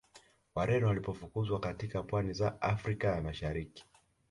Wareno walipofukuzwa katika pwani za Afrika ya Mashariki